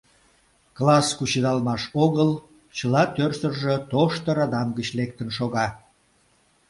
Класс кучедалмаш огыл, чыла тӧрсыржӧ тошто радам гыч лектын шога.